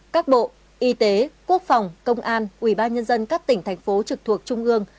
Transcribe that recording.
ba các bộ y tế quốc phòng công an ủy ban nhân dân các tỉnh thành phố trực thuộc trung ương